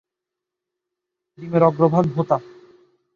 ডিমের অগ্রভাগ ভোঁতা।